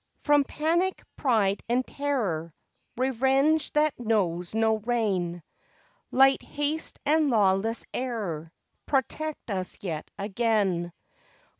From panic, pride, and terror, Revenge that knows no rein Light haste and lawless error, Protect us yet again.